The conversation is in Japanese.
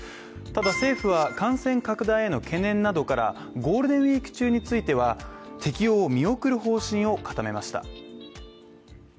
ただ政府は、感染拡大への懸念などからゴールデンウイーク中については適用を見送る方針を固めました。